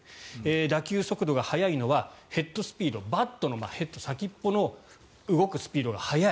打球速度が速いのはヘッドスピードバットのヘッド、先っぽの動くスピードが速い。